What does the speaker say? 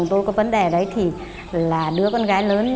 tôi nghĩ đây cũng là một trong những